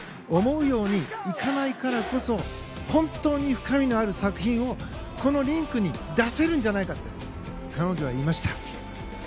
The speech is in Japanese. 思うようにいかないからこそ本当に深みのある作品をこのリンクに出せるんじゃないかって彼女は言いました。